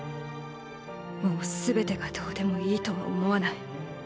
もうすべてがどうでもいいとは思わない。